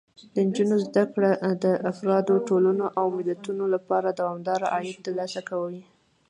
د نجونو زده کړه د افرادو، ټولنو او ملتونو لپاره دوامداره عاید ترلاسه کوي.